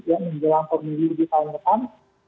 ya menjelang pemilu di tahun depan